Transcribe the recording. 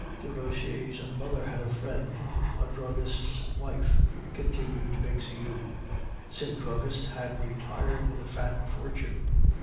"Desroches' mother had a friend, a druggist's wife," continued Bixiou. "Said druggist had retired with a fat fortune.